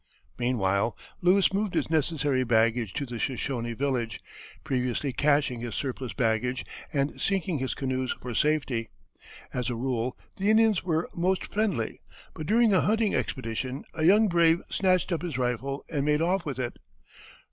Meanwhile, Lewis moved his necessary baggage to the Shoshone village, previously caching his surplus baggage and sinking his canoes for safety. As a rule the Indians were most friendly, but during a hunting expedition a young brave snatched up his rifle and made off with it.